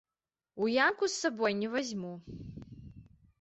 У ямку з сабою не вазьму.